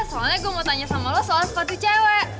soalnya gue mau tanya sama lo soal sepatu cewek